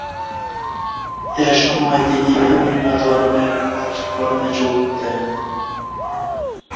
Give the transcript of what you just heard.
এ সময়ে তিনি বিভিন্ন ধরনের কাজ-কর্মে যোগ দেন।